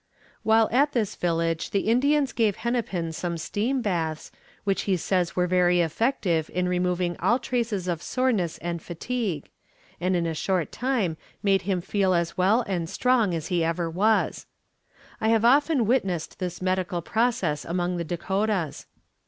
While at this village the Indians gave Hennepin some steam baths, which he says were very effective in removing all traces of soreness and fatigue, and in a short time made him feel as well and strong as he ever was. I have often witnessed this medical process among the Dakotas.